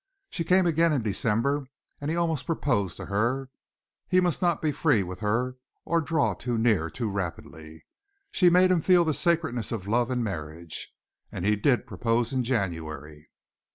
She came again in December and he almost proposed to her he must not be free with her or draw too near too rapidly. She made him feel the sacredness of love and marriage. And he did propose in January.